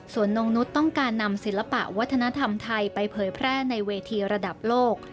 ส่วนนงนุษย์ต้องการนำศิลปะวัฒนธรรมไทยไปเผยแพร่ในเวทีระดับโลก